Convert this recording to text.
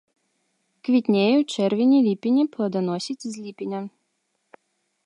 Квітнее ў чэрвені-ліпені, пладаносіць з ліпеня.